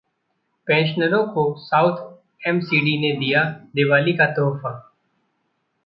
पेंशनरों को south MCD ने दिया दिवाली का तोहफा